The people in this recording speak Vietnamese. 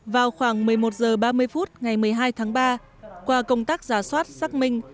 vào khoảng một mươi một h ba mươi phút ngày một mươi hai tháng ba qua công tác giả soát xác minh